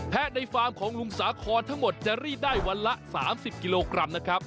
ในฟาร์มของลุงสาคอนทั้งหมดจะรีดได้วันละ๓๐กิโลกรัมนะครับ